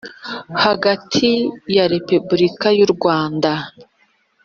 hagati ya repubulika y u rwanda